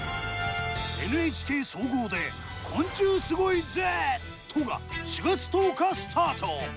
ＮＨＫ総合で「昆虫すごいＺ」が４月１０日スタート！